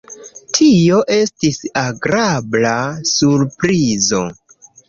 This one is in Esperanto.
Tio estis agrabla surprizo.